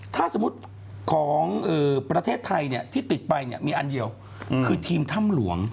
ถ้าสมมุติของประเทศไทยที่ติดไปเนี่ยมีอันเดียวคือทีมถ้ำหลวง